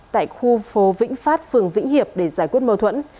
tại khu phố vĩnh phát phường vĩnh hiệp để giải quyết mâu thuẫn